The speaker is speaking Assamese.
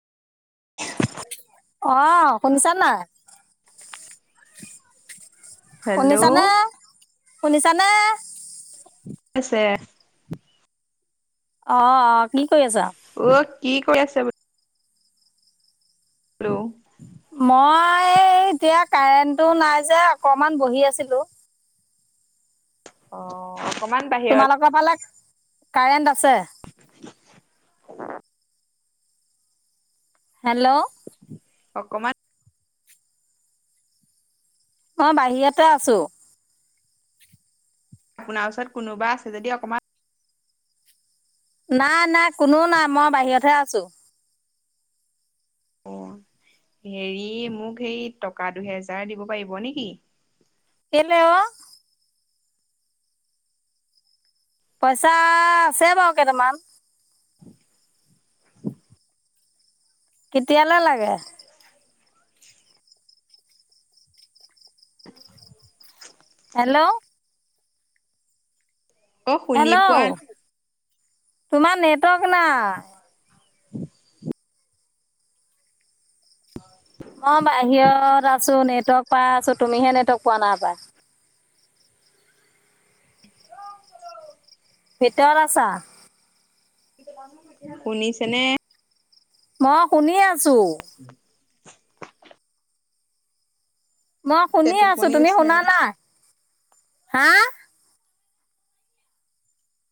অ শুনিছা না হেল্ল' শুনিছানে শুনিছানে আছে অ হ কি কৰি আছ অ কি কৰি আছে বো হেল্ল' মই এতিয়া কাৰেণ্টটো নাই যে অকমান বহি আছিলো অ অকমান বাহিৰত তোমালোকৰ ফালে কাৰেণ্ট আছে হেল্ল' অকমান অ বাহিৰতে আছো আপোনাৰ ওচৰত কোনোবা আছে যদি অকমান নাই, নাই কোনো নাই, মই বাহিৰতহে আছোঁ। অ'। হেৰি মোক সেই টকা দুহেজাৰ দিব পাৰিব নিকি? কেলে অ'? পইচা আছে বাৰু কেটামান। কেতিয়ালে লাগে? হেল্ল' অ' শুনি পোৱা হেল্ল' তোমাৰ নেটৱৰ্ক নাই। [inaudible] [inaudible] মই বাহিৰত আছো, নেটৱৰ্ক পাই আছো, তুমিহে নেটৱৰ্ক পোৱা নাই পায়। ভিতৰত আছা? শুনিছেনে? মই শুনি আছোঁ। মই শুনি আছোঁ, টোপনি তুমি গৈছিলে আক। শুনা নাই, হা?